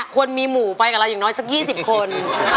คนมีหมู่ไปกับเราอย่างน้อยสัก๒๐คน